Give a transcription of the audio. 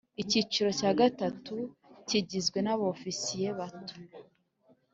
Icyiciro cya gatatu kigizwe n Abofisiye bato